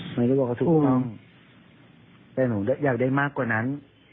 มันก็บอกว่าถูกต้องแต่หนูอยากได้มากกว่านั้น